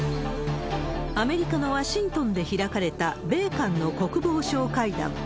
アメリカのワシントンで開かれた米韓の国防相会談。